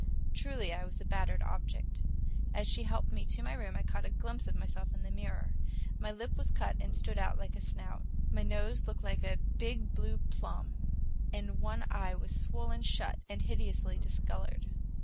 Truly, I was a battered object. As she helped me to my room, I caught a glimpse of myself in the mirror. My lip was cut and stood out like a snout. My nose looked like a big blue plum, and one eye was swollen shut and hideously discolored.